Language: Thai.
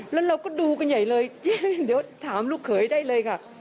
แล้วเราก็ดูกันใหญ่เลยเจ๊เดี๋ยวถามลูกเขยได้เลยค่ะ